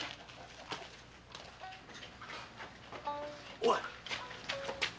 おい！